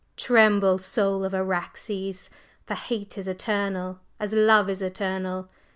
Tremble, Soul of Araxes! for hate is eternal, as love is eternal!